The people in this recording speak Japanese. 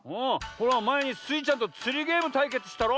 ほらまえにスイちゃんとつりゲームたいけつしたろ？